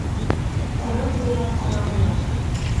Ҡоро ҡулға ҡорал яу.